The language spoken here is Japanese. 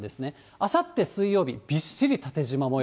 あさって水曜日、びっしり縦じま模様。